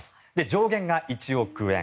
上限が１億円。